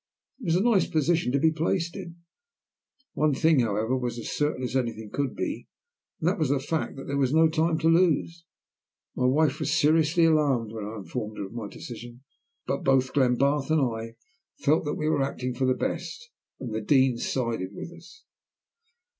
It was a nice position to be placed in. One thing, however, was as certain as anything could be, and that was the fact that there was no time to lose. My wife was seriously alarmed when I informed her of my decision, but both Glenbarth and I felt that we were acting for the best, and the Dean sided with us.